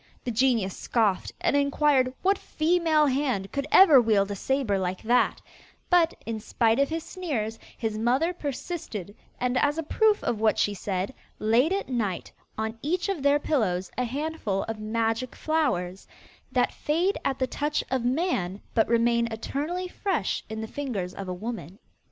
The genius scoffed, and inquired what female hand could ever wield a sabre like that; but, in spite of his sneers, his mother persisted, and as a proof of what she said, laid at night on each of their pillows a handful of magic flowers, that fade at the touch of man, but remain eternally fresh in the fingers of a woman.